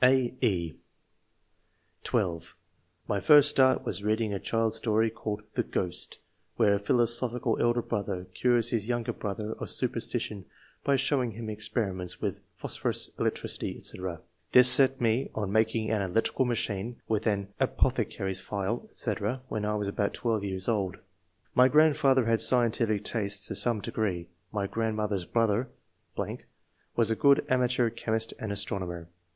(a, e) (12) "My first start was reading a child's story, called the * Ghost,' where a philosophical elder brother cures his younger brother of super stition, by showing him experiments with phosphorus, electricity, &c. This set me on making an electrical machine with an apothe 154 ENGLISH MEN OF SCIENCE. [chap. car/s phial, &c. I was then about 12 years old. My grandfather had scientific tastes to some degree. My grandniother's brother .... was a good amateur chemist and astronomer.